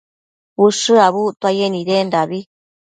ushË abuctuaye nidendabi